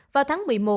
vào tháng một mươi một